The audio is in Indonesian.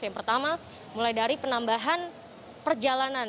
yang pertama mulai dari penambahan perjalanan